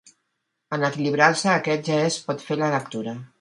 En equilibrar-se aquest ja es pot fer la lectura.